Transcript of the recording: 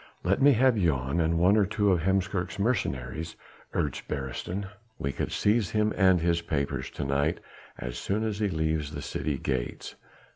"Let me have Jan and one or two of Heemskerk's mercenaries," urged Beresteyn, "we could seize him and his papers to night as soon as he leaves the city gates."